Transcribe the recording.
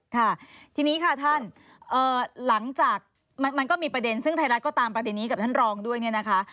ค่ะทีนี้ค่ะท่านหลังจากมันก็มีประเด็นซึ่งไทยรัฐก็ตามประเด็นนี้กับท่านรองด้วยเนี่ยนะคะ